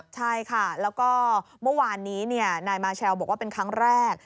ใช่ค่ะแล้วก็เมื่อวานนี้นายมาเชลบอกว่าเป็นครั้งแรก